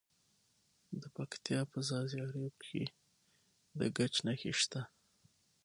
د پکتیا په ځاځي اریوب کې د ګچ نښې شته.